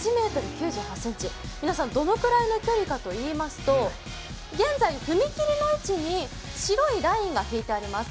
皆さん、どのくらいの距離かといいますと現在、踏切の位置に白いラインが引いてあります。